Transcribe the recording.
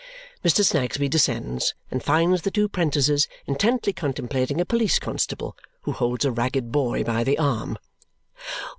Mr. Snagsby descends and finds the two 'prentices intently contemplating a police constable, who holds a ragged boy by the arm.